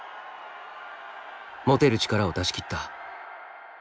持てる力を出しきった。